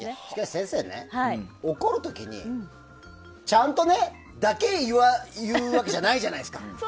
先生、怒る時にちゃんとね、だけ言うわけじゃないじゃないですか。